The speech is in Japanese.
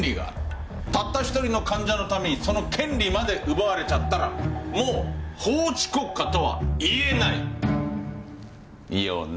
たった１人の患者のためにその権利まで奪われちゃったらもう法治国家とは言えないよな？